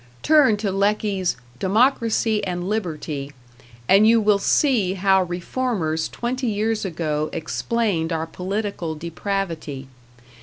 Turn to Lecky's "Democracy and Liberty" and you will see how reformers twenty years ago explained our political depravity.